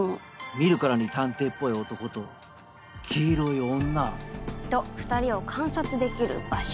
見るからに探偵っぽい男と黄色い女と２人を観察できる場所。